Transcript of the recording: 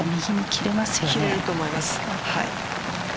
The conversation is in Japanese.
切れると思います。